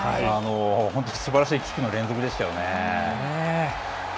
本当にすばらしいキックの連続でしたよね。